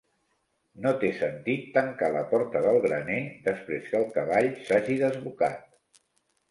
No té sentit tancar la porta del graner després que el cavall s'hagi desbocat.